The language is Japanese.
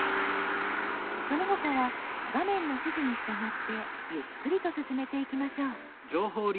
その他は画面の指示に従ってゆっくりと進めていきましょう。